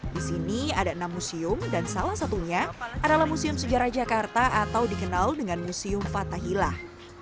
di sini ada enam museum dan salah satunya adalah museum sejarah jakarta atau dikenal dengan museum fathahilah